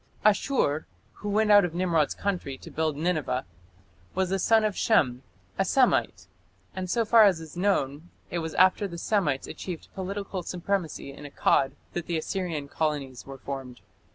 Asshur, who went out of Nimrod's country to build Nineveh, was a son of Shem a Semite, and so far as is known it was after the Semites achieved political supremacy in Akkad that the Assyrian colonies were formed.